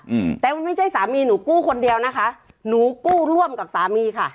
อืมแต่มันไม่ใช่สามีหนูกู้คนเดียวนะคะหนูกู้ร่วมกับสามีค่ะ